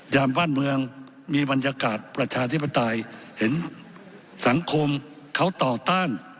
ยามบ้านเมืองมีบรรยากาศประชาธิปไตยเห็นสังคมเขาต่อต้าน